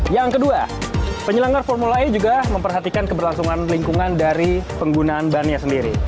yang kedua penyelenggara formula e juga memperhatikan keberlangsungan lingkungan dari penggunaan bannya sendiri